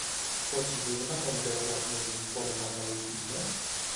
Pots dir-me com veure els meus informes de l'últim mes?